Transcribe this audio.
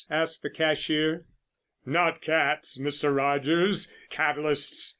asked the cashier. "Not cats, Mr. Rogers, catalysts.